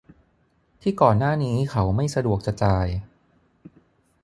ที่ก่อนหน้านี้เขาไม่สะดวกจะจ่าย